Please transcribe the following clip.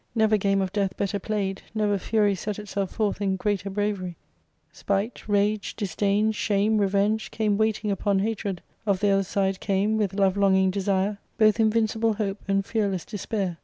Never game of death better played, never fury set itself forth in greater brave^|*F Spite, rage, disdain, shame, revenge, came waiting upon hatred ; of the other side came, with love longing desire, both invincible hope and fearless de spair.